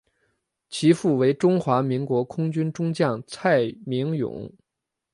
其父为中华民国空军中将蔡名永。